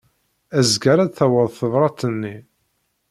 Azekka ara d-taweḍ tebṛat-nni.